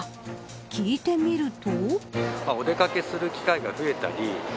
聞いてみると。